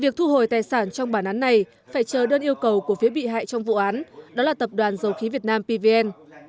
việc thu hồi tài sản trong bản án này phải chờ đơn yêu cầu của phía bị hại trong vụ án đó là tập đoàn dầu khí việt nam pvn